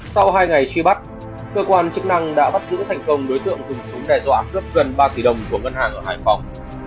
sau hai ngày truy bắt cơ quan chức năng đã bắt giữ thành công đối tượng dùng súng đe dọa cướp gần ba tỷ đồng của ngân hàng ở hải phòng